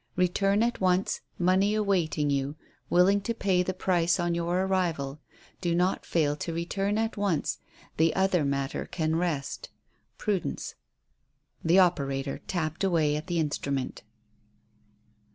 "Return at once. Money awaiting you. Willing to pay the price on your arrival. Do not fail to return at once. The other matter can rest. "PRUDENCE." The operator tapped away at the instrument.